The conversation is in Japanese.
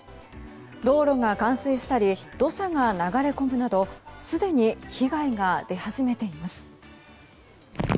道路が冠水したり土砂が流れ込むなどすでに被害が出始めています。